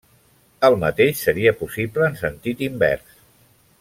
El mateix seria possible en sentit invers.